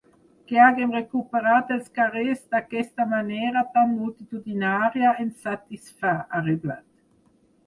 Que haguem recuperat els carrers d’aquesta manera tan multitudinària ens satisfà, ha reblat.